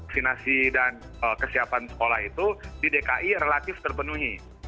finansi dan kesiapan sekolah itu di dki relatif terpenuhi